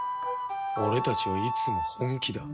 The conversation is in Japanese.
俺たちはいつも本気だ。